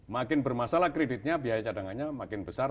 makin bermasalah kreditnya biaya cadangannya makin besar